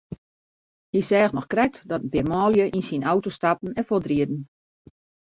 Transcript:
Hy seach noch krekt dat in pear manlju yn syn auto stapten en fuortrieden.